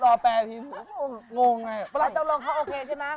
เจ้าโรงเขาโอเคใช่มั้ย